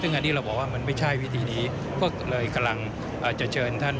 ซึ่งอาที่เราบอกว่าไม่ใช่พิธีนี้ก็กำลังเชิญค่าคำตอบ